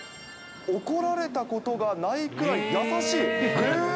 怒られたことがないくらい優しい。